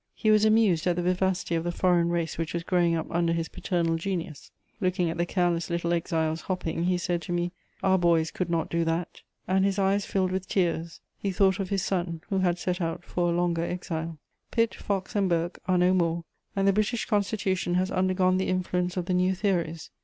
He was amused at the vivacity of the foreign race which was growing up under his paternal genius. Looking at the careless little exiles hopping, he said to me: "Our boys could not do that." And his eyes filled with tears. He thought of his son who had set out for a longer exile. [Sidenote: William Pitt.] Pitt, Fox, and Burke are no more, and the British Constitution has undergone the influence of the "new theories."